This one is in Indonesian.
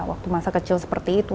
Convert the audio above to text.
waktu masa kecil seperti itu